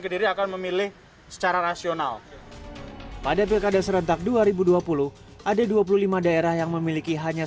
kediri akan memilih secara rasional pada pilkada serentak dua ribu dua puluh ada dua puluh lima daerah yang memiliki hanya